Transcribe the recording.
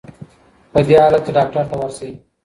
په دې حالت کي ډاکټر ته ورشئ.